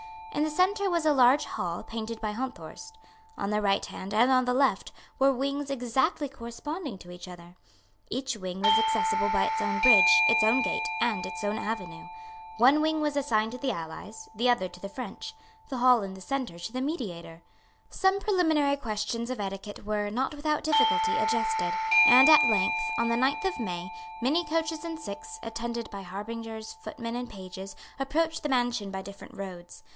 In the centre was a large hall painted by Honthorst. On the right hand and on the left were wings exactly corresponding to each other. Each wing was accessible by its own bridge, its own gate and its own avenue. One wing was assigned to the Allies, the other to the French, the hall in the centre to the mediator. Some preliminary questions of etiquette were, not without difficulty, adjusted; and at length, on the ninth of May, many coaches and six, attended by harbingers, footmen and pages, approached the mansion by different roads.